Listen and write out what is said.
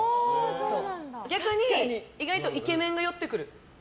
逆に、意外とイケメンが寄ってくる。